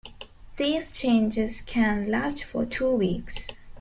These changes can last for two weeks.